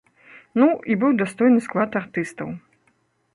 Ну, і быў дастойны склад артыстаў.